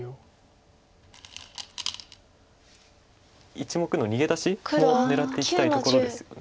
１目の逃げ出しを狙っていきたいところですよね。